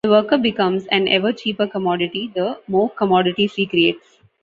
The worker becomes an ever cheaper commodity the more commodities he creates.